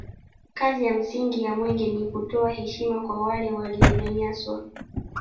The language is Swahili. kazi ya msingi ya mwenge ni kutoa heshima kwa wale walionyanyaswa